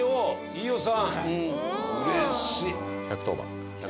飯尾さん！